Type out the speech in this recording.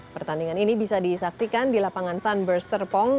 pertandingan ini bisa disaksikan di lapangan san berserpong